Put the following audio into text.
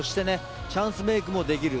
チャンスメークもできる。